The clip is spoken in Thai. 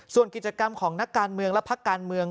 ส่วนกิจกรรมของนักการเมืองและพักการเมือง